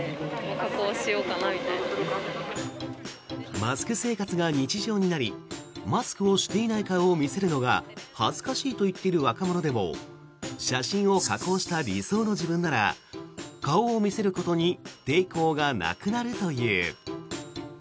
マスク生活が日常になりマスクをしていない顔を見せるのが恥ずかしいといっている若者でも写真を加工した理想の自分なら顔を見せることに抵抗がなくなるという。